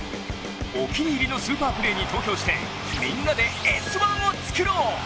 お気に入りのスーパープレーに投票してみんなで「Ｓ☆１」を作ろう！